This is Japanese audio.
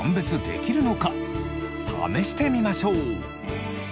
試してみましょう。